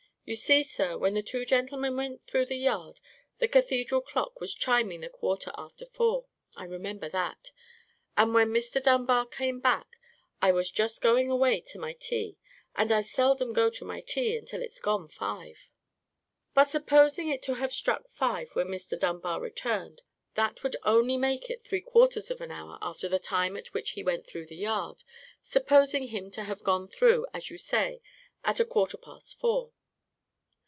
You see, sir, when the two gentlemen went through the yard, the cathedral clock was chiming the quarter after four; I remember that. And when Mr. Dunbar came back, I was just going away to my tea, and I seldom go to my tea until it's gone five." "But supposing it to have struck five when Mr. Dunbar returned, that would only make it three quarters of an hour after the time at which he went through the yard, supposing him to have gone through, as you say, at the quarter past four."